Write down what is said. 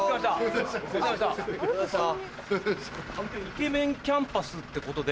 イケメンキャンパスってことで。